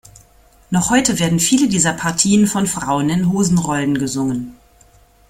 Noch heute werden viele dieser Partien von Frauen in Hosenrollen gesungen.